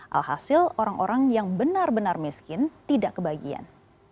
alhasil orang orang yang benar benar miskin tidak kebagian